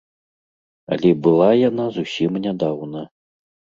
Але была яна зусім нядаўна.